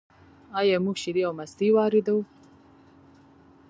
آیا موږ شیدې او مستې واردوو؟